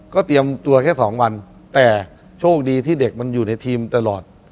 ก็เตรียมตัวแค่สองวันแต่โชคดีที่เด็กมันอยู่ในทีมตลอด